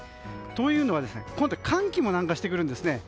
というのは、今度は寒気も南下してくるんです。